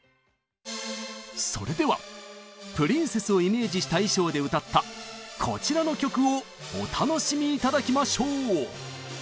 それではプリンセスをイメージした衣装で歌ったこちらの曲をお楽しみ頂きましょう！